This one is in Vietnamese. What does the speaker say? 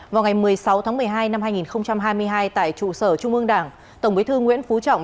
vào ngày một mươi sáu tháng một mươi hai năm hai nghìn hai mươi hai tại trụ sở trung ương đảng tổng bí thư nguyễn phú trọng